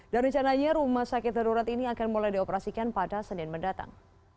dan rencananya rumah sakit darurat ini akan mulai dioperasikan pada senin mendatang